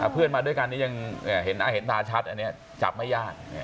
เพื่อนมาด้วยกันนี่ยังเห็นตาชัดอันนี้จับไม่ยาก